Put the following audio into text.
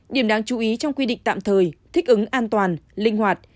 điểm đáng chú ý trong quy định tạm thời thích ứng an toàn linh hoạt